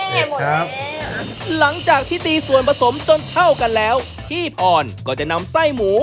หลังจากที่ตีส่วนผสมจนเข้ากันแล้วพี่พรก็จะนำไส้หมู